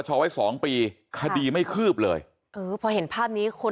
ชาวให้๒ปีคดีไม่คลืบเลยอืมเพราะเห็นภาพนี้คน